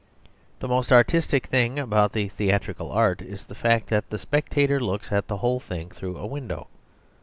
The most artistic thing about the theatrical art is the fact that the spectator looks at the whole thing through a window.